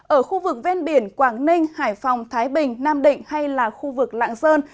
ở khu vực ven biển quảng ninh hải phòng thái bình nam định hay là khu vực lạng sơn